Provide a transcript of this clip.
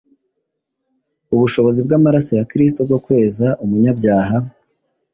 ubushobozi bw’amaraso ya Kristo bwo kweza umunyabyaha.